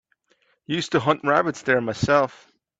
Used to hunt rabbits there myself.